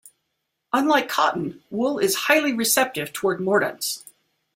Unlike cotton, wool is highly receptive toward mordants.